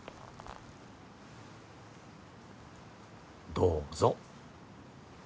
どうぞ。